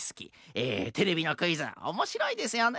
えテレビのクイズおもしろいですよね？